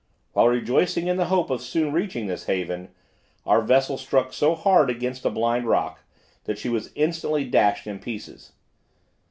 While rejoicing in the hope of soon reaching this haven, our vessel struck so hard against a blind rock, that she was instantly dashed in pieces.